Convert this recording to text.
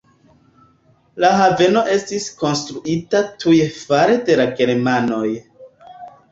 La haveno estis konstruita tuj fare de la germanoj.